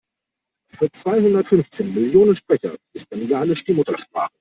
Für zweihundertfünfzehn Millionen Sprecher ist Bengalisch die Muttersprache.